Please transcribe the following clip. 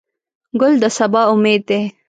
ګل د سبا امید دی.